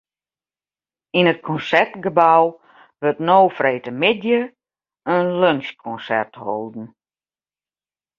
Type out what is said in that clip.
Yn it Konsertgebou wurdt no freedtemiddei in lunsjkonsert holden.